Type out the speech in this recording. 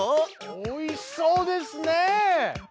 おいしそうですね！